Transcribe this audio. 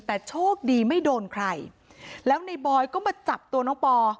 แต่โชคดีไม่โดนใครแล้วในบอยก็มาจับตัวน้องปอ